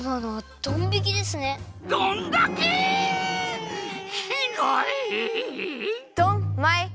ドンマイ！